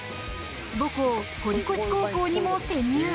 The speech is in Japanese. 母校・堀越高校にも潜入。